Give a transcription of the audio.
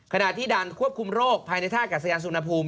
ขณะที่ด่านควบคุมโรคภายในท่ากัศยานสุนภูมิ